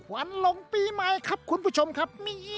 วันลงปีใหม่ครับคุณผู้ชมครับ